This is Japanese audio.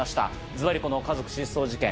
ズバリこの家族失踪事件。